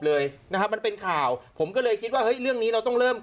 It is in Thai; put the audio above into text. เลยนะครับมันเป็นข่าวผมก็เลยคิดว่าเฮ้ยเรื่องนี้เราต้องเริ่ม